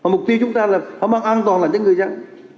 mục tiêu chúng ta là bằng an toàn là những người dân